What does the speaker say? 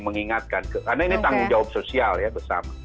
mengingatkan karena ini tanggung jawab sosial ya bersama